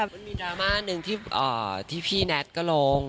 มันมีดราม่าหนึ่งที่พี่แน็ตก็ลง